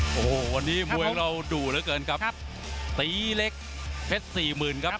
โอ้โหวันนี้มวยของเราดุเหลือเกินครับครับตีเล็กเพชรสี่หมื่นครับ